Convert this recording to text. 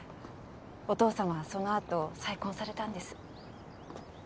お父様はそのあと再婚されたんです。